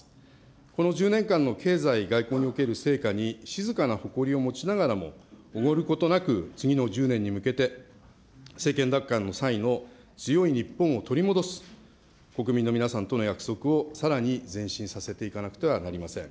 この１０年間の経済、外交における成果に静かな誇りを持ちながらもおごることなく、次の１０年に向けて、政権奪還の際の強い日本を取り戻す、国民の皆さんとの約束を、さらに前進させていかなくてはなりません。